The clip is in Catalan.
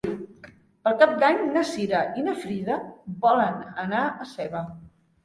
Per Cap d'Any na Cira i na Frida volen anar a Seva.